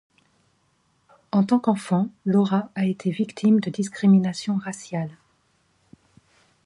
En tant qu'enfant, Laura a été victime de discrimination raciale.